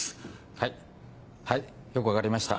はいはいよく分かりました。